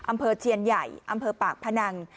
อำเภอเชียนใหญ่อำเภอปากพนัง